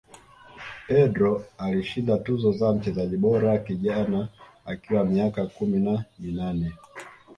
pedro alishinda tuzo ya mchezaji bora kijana akiwa miaka kumi na minane